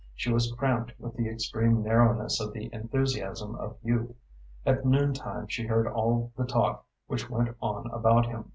She was cramped with the extreme narrowness of the enthusiasm of youth. At noontime she heard all the talk which went on about him.